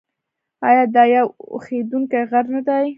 آیا دا یو اورښیندونکی غر نه دی؟